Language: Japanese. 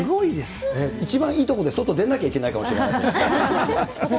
一番いいとこで、外でなきゃいけないかもしれない。